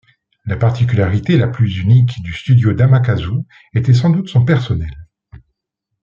La particularité la plus unique du studio d'Amakasu était sans doute son personnel.